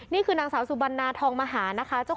นี่คือนางสาวสุบันนาทองมหานะคะ